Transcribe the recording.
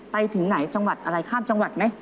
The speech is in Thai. ไปถึงไหนจังหวัดอะไรข้ามจังหวัดไหม